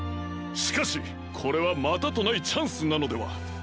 しかしこれはまたとないチャンスなのでは？